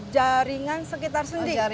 jaringan sekitar sendi